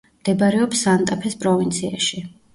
მდებარეობს სანტა-ფეს პროვინციაში.